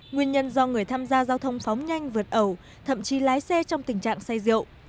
nguyên nhân do người tham gia giao thông phóng nhanh vượt ẩu thậm chí lái xe trong tình trạng say rượu